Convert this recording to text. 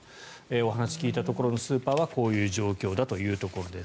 お話を聞いたスーパーはこういう状況だというところです。